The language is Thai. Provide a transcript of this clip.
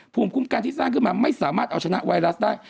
ภูมิคุ้มกันที่สร้างขึ้นมาไม่สามารถเอาชนะไวรัสได้